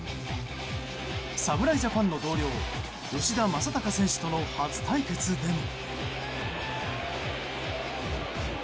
侍ジャパンの同僚吉田正尚選手との初対決でも。